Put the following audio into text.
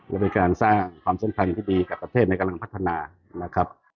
และเป็นการสร้างความสัมพันธ์ที่ดีกับประเทศในกำลังพัฒนานะครับ